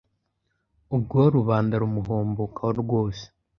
Ubwo rubanda rumuhombokaho rwose